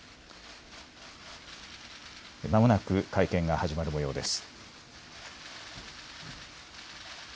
まもなく会見が始まるもようです。